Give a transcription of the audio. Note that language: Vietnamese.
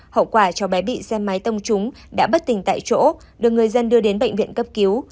hậu quả cháu bé bị xe máy tông trúng đã bất tỉnh tại chỗ được người dân đưa đến bệnh viện cấp cứu